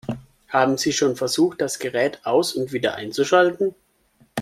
Haben Sie schon versucht, das Gerät aus- und wieder einzuschalten?